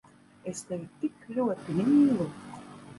Es tevi tik ļoti mīlu…